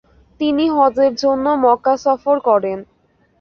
তিনি হজের জন্য মক্কা সফর করেন।